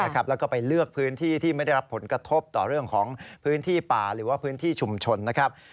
แล้วก็ไปเลือกพื้นที่ที่ไม่ได้รับผลกระทบต่อเรื่องของพื้นที่ป่าหรือว่าพื้นที่ชุมชนนะครับ